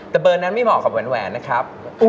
แต่เบอร์นั้นไม่เหมาะกับแหวนนะครับ